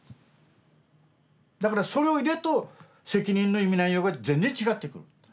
だからそれを入れると責任の意味内容が全然違ってくる。